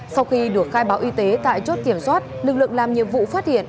sau khi được khai báo y tế tại chốt kiểm soát lực lượng làm nhiệm vụ phát hiện